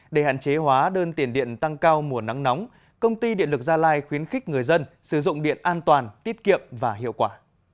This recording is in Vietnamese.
để hạn chế hóa đơn tiền điện tăng cao mùa nắng nóng công ty điện lực gia lai khuyến khích người dân sử dụng điện an toàn tiết kiệm và hiệu quả